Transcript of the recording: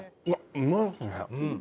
うまいですね。